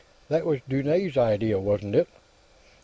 That was Dunne's idea, wasn't it?"